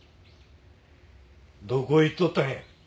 どこへ行っとったんや？